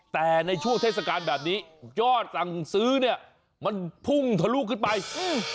แต่ในช่วงเทศกาลแบบนี้ยอดสั่งซื้อเนี้ยมันพุ่งทะลุขึ้นไปอืม